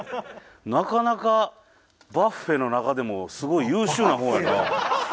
なかなかバッフェの中でもすごい優秀な方やな。